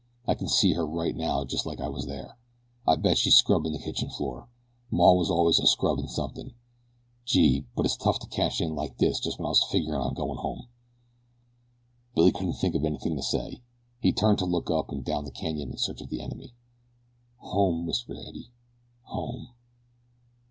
I ken see her right now just like I was there. I'll bet she's scrubbin' the kitchen floor. Maw was always a scrubbin' somethin'. Gee! but it's tough to cash in like this just when I was figgerin' on goin' home." Billy couldn't think of anything to say. He turned to look up and down the canyon in search of the enemy. "Home!" whispered Eddie. "Home!"